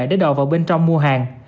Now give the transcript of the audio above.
để đòi vào bên trong mua hàng